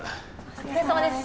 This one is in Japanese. お疲れさまです